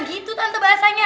gitu tante bahasanya